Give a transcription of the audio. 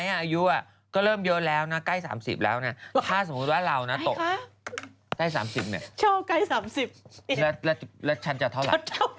เท่านึงอ่ะพี่เท่านึงของเขา